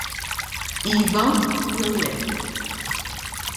Iva jew le.